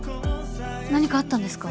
何かあったんですか？